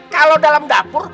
kalau dalam dapur